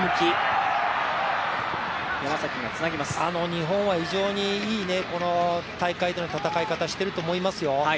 日本は非常にいい大会の戦い方をしていると思いますよ。